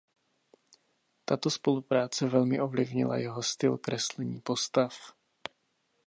Tato spolupráce velmi ovlivnila jeho styl kreslení postav.